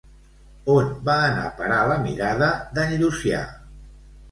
On va anar a parar la mirada d'en Llucià?